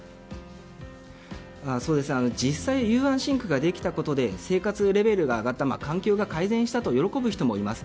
実際に雄安新区ができたことで生活レベルが上がったり環境が改善したと喜ぶ人もいます。